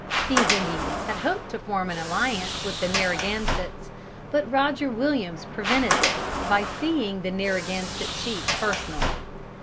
These Indians had hoped to form an alliance with the Narragansetts, but Roger Williams prevented this by seeing the Narragansett chief personally.